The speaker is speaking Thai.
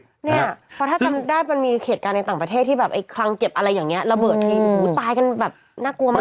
เพราะถ้าจำได้มันมีเหตุการณ์ในต่างประเทศที่แบบไอ้คลังเก็บอะไรอย่างนี้ระเบิดทีตายกันแบบน่ากลัวมาก